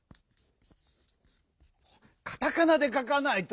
カタカナでかかないとおまえ！